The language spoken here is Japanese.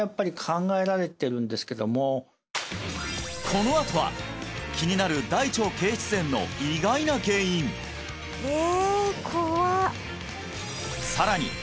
このあとは気になる大腸憩室炎の意外な原因え！